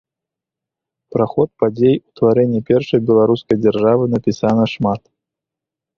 Пра ход падзей утварэння першай беларускай дзяржавы напісана шмат.